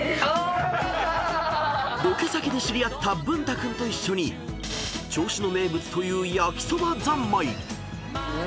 ［ロケ先で知り合ったぶんた君と一緒に銚子の名物という焼きそば三昧］